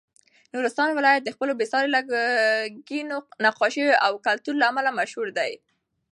نورستان ولایت د خپلو بې ساري لرګینو نقاشیو او کلتور له امله مشهور دی.